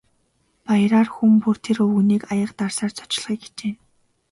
Баяраар хүн бүр тэр өвгөнийг аяга дарсаар зочлохыг хичээнэ.